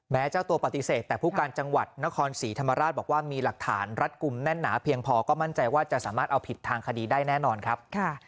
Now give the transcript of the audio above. เจ้าตัวปฏิเสธแต่ผู้การจังหวัดนครศรีธรรมราชบอกว่ามีหลักฐานรัดกลุ่มแน่นหนาเพียงพอก็มั่นใจว่าจะสามารถเอาผิดทางคดีได้แน่นอนครับ